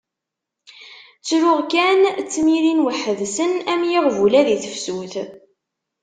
Ttruɣ kan, ttmirin weḥd-sen am yiɣbula di tefsut.